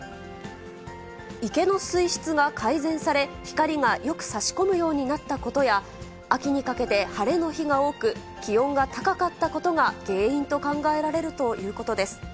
池の水質が改善され、光がよくさし込むようになったことや、秋にかけて晴れの日が多く、気温が高かったことが原因と考えられるということです。